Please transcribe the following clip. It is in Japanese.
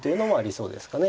そうですね。